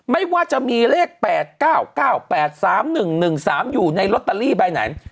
ไม่ว่าจะมีเลข๘๙๙๘๓๑๑๓อยู่ในลอตเตอรี่ใบไหน